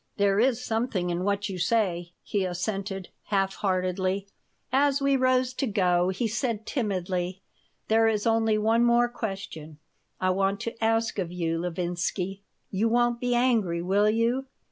"There is something in what you say," he assented, half heartedly As we rose to go he said, timidly: "There is only one more question I want to ask of you, Levinsky. You won't be angry, will you?"